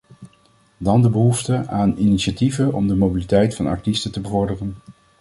Dan de behoefte aan initiatieven om de mobiliteit van artiesten te bevorderen.